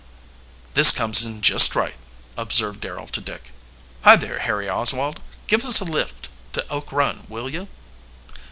"This comes in just right," observed Darrel to Dick. "Hi there, Harry Oswald. Give us a lift to Oak Run, will you?"